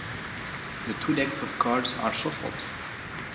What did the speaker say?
The two decks of cards are shuffled.